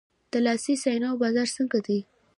د لاسي صنایعو بازار څنګه دی؟